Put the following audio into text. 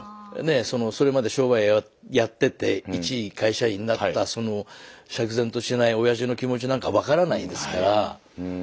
それまで商売をやってていち会社員になったその釈然としないおやじの気持ちなんか分からないですから。